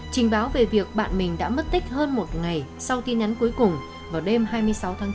trình báo về việc bạn mình đã mất tích hơn một ngày sau tin nhắn cuối cùng vào đêm hai mươi sáu tháng bốn